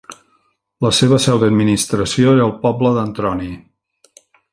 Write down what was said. La seva seu d'administració era el poble d'Antroni.